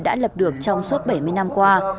đã lập được trong suốt bảy mươi năm qua